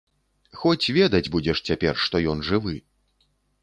Хоць ведаць будзеш цяпер, што ён жывы.